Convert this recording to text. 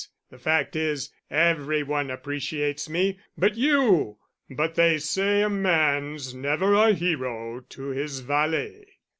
The fact is, every one appreciates me but you: but they say a man's never a hero to his valet."